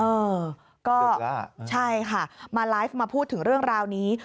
เออก็ใช่ค่ะมาไลฟ์มาพูดถึงเรื่องราวนี้